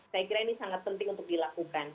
saya kira ini sangat penting untuk dilakukan